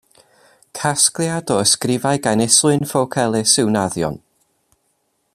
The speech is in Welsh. Casgliad o ysgrifau gan Islwyn Ffowc Elis yw Naddion.